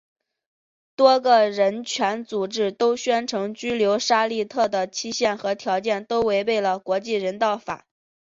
多个人权组织都宣称拘留沙利特的期限和条件都违背了国际人道法。